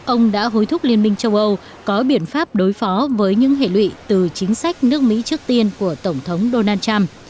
ông đã hối thúc liên minh châu âu có biện pháp đối phó với những hệ lụy từ chính sách nước mỹ trước tiên của tổng thống donald trump